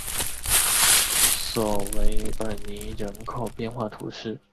索韦尔尼人口变化图示